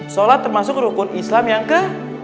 sholat termasuk rukun islam yang ke